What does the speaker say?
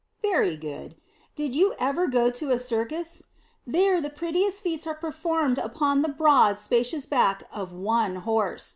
Very good. Did you ever go to a circus? There the prettiest feats are performed upon the broad, spacious back of one horse.